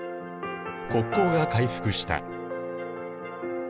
国交が回復した。